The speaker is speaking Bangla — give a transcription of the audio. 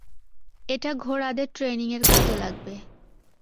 এটা ঘোড়াদের ট্রেইনিংয়ের কাজে লাগবে।